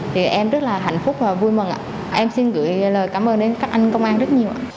thì em rất là hạnh phúc và vui mừng ạ em xin gửi lời cảm ơn đến các anh công an rất nhiều ạ